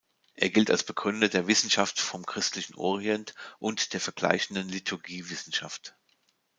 Er gilt als Begründer der "Wissenschaft vom Christlichen Orient" und der "Vergleichenden Liturgiewissenschaft".